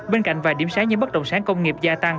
bên cạnh vài điểm sáng như bất động sản công nghiệp gia tăng